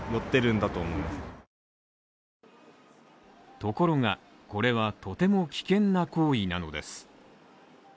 ところが、これはとても危険な行為なのです。